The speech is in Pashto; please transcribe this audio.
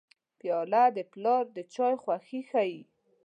پیاله د پلار د چایو خوښي ښيي.